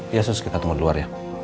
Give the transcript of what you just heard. iya sus kita tunggu di luar ya